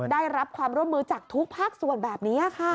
ได้รับความร่วมมือจากทุกภาคส่วนแบบนี้ค่ะ